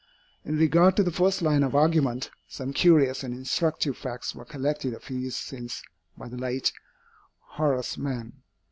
In regard to the first line of argument, some curious and instructive facts were collected a few years since by the late Horace Mann.